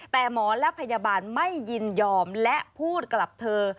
แต่หมอและพยาบาลไม่ยินยอมและพูดกลับเธอ